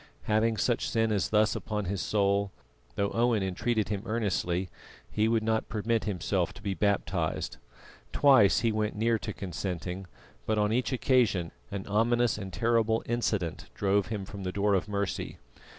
Having such sin as this upon his soul, though Owen entreated him earnestly, he would not permit himself to be baptised. Twice he went near to consenting, but on each occasion an ominous and terrible incident drove him from the door of mercy.